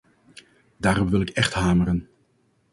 Daarop wil ik echt hameren.